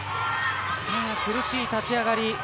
苦しい立ち上がり。